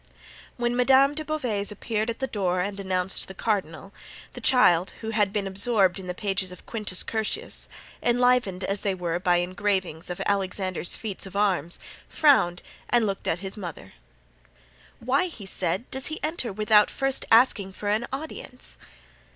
When Madame de Beauvais appeared at the door and announced the cardinal, the child, who had been absorbed in the pages of Quintus Curtius, enlivened as they were by engravings of Alexander's feats of arms, frowned and looked at his mother. "Why," he said, "does he enter without first asking for an audience?"